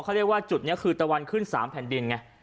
เขาเรียกว่าจุดนี้คือตะวันขึ้น๓แผ่นดินไง